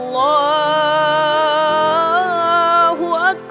kalau mau mau motor aja